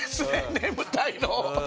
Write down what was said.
眠たいのを。